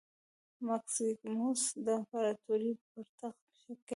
مکسیموس د امپراتورۍ پر تخت کېناست.